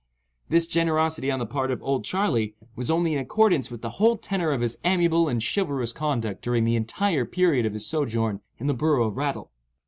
This generosity on the part of "Old Charley" was only in accordance with the whole tenor of his amiable and chivalrous conduct during the entire period of his sojourn in the borough of Rattle.